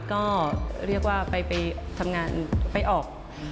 ก็เรียกว่าไปทำงานไปออก